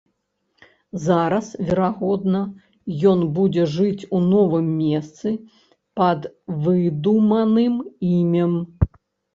Зараз, верагодна, ён будзе жыць у новым месцы пад выдуманым імем.